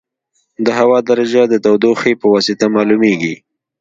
د هوا درجه د تودوخې په واسطه معلومېږي.